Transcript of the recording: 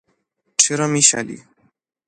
چرا میشلی؟